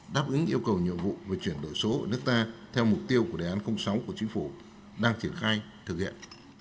đáp ứng yêu cầu nhiệm vụ về chuyển đổi số ở nước ta theo mục tiêu của đề án sáu của chính phủ đang triển khai thực hiện